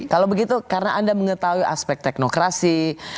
kalau begitu karena anda mengetahui aspek teknokrasi